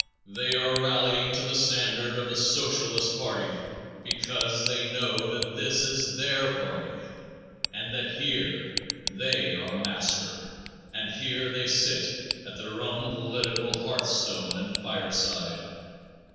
They are rallying to the standard of the Socialist party because they know that this is their party and that here they are master, and here they sit at their own political hearthstone and fireside.